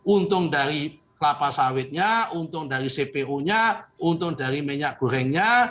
untung dari kelapa sawitnya untung dari cpo nya untung dari minyak gorengnya